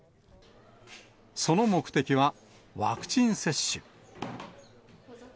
その目的は、ワクチン接種。